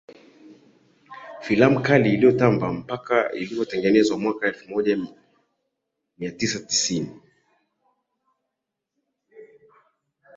filamu kali inayotamba mpaka iliyotengenezwa mwaka elfu moja mia tisa tisini